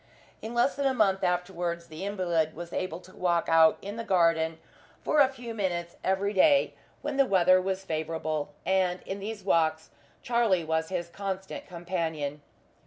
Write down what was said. In less than a month afterwards the invalid was able to walk out in the garden for a few minutes every day when the weather was favourable, and in these walks Charlie was his constant companion.